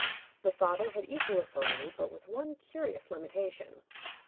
The father had equal authority, but with one curious limitation.